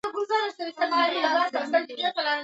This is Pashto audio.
بامیان د افغانستان د زرغونتیا نښه ده.